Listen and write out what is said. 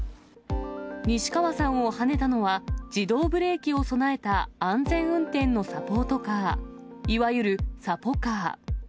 西川さんをはねたのは、自動ブレーキを備えた安全運転のサポートカー、いわゆるサポカー。